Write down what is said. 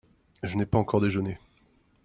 Je n'ai pas encore déjeuné.